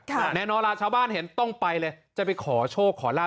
แน่นอนล่ะชาวบ้านเห็นต้องไปเลยจะไปขอโชคขอลาบ